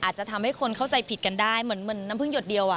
อาจจะทำให้คนเข้าใจผิดกันได้เหมือนน้ำพึ่งหยดเดียวอ่ะ